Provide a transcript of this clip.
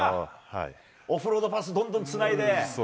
オフロードパス、どんどんつないで。